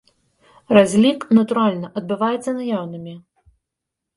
Разлік, натуральна, адбываецца наяўнымі.